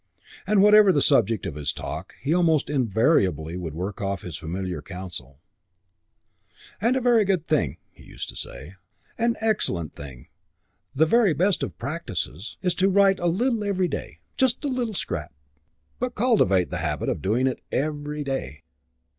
And whatever the subject of his talk, he almost invariably would work off his familiar counsel: "And a very good thing (he used to say), an excellent thing, the very best of practices, is to write a little every day. Just a little scrap, but cultivate the habit of doing it every day.